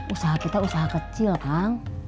usaha kita usaha kecil kan